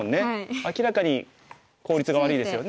明らかに効率が悪いですよね。